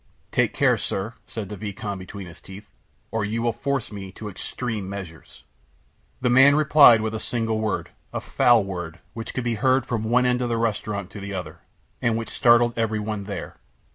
"Take care, sir," said the vicomte between his teeth, "or you will force me to extreme measures." The man replied with a single word a foul word, which could be heard from one end of the restaurant to the other, and which startled every one there.